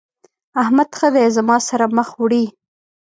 احمد ښه دی زما سره مخ وړي.